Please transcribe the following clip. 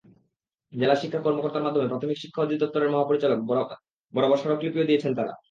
জেলা শিক্ষা কর্মকর্তার মাধ্যমে প্রাথমিক শিক্ষা অধিদপ্তরের মহাপরিচালক বরাবর স্মারকলিপিও দিয়েছেন তাঁরা।